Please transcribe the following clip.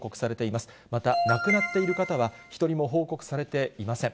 また亡くなっている方は一人も報告されていません。